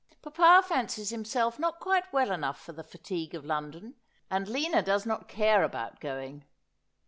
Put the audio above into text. Papa fancies himself not quite well enough for the fatigue of London, and Lina does not care about going.'